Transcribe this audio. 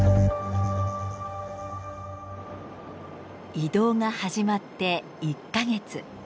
移動が始まって１か月。